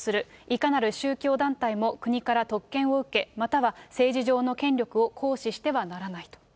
いかなる宗教団体も国から特権を受け、または政治上の権力を行使してはならないと。